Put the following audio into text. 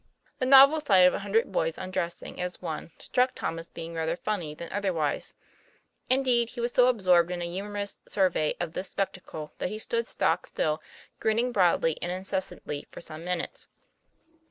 The novel sight of a hundred boys undressing as one struck Tom as being rather funny than otherwise. Indeed he was so absorbed in a humorous survey of this spectacle that he stood stock still, grinning broadly and incessantly for some minutes.